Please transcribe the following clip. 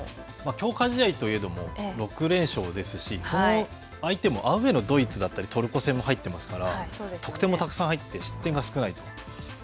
強化試合といえども、６連勝ですし、その相手も、アウェーのドイツだったり、トルコ戦も入っていますので、得点もたくさん入って、失点が少ないと。